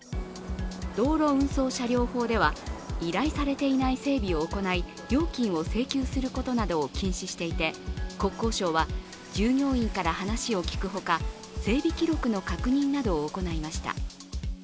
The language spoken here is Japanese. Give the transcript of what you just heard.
道路運送車両法では、依頼されていない整備を行い料金を請求することなどを禁止していて、国交省は従業員から話を聞くほか整備記録の確認などを行いました。